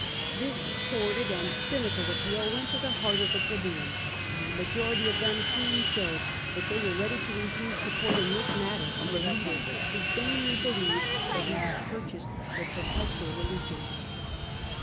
This sordid and cynical appeal went to the heart of the plebeians, and the majority of them soon showed that they were ready to refuse support in this matter to the leader who vainly believed that he had purchased their perpetual allegiance.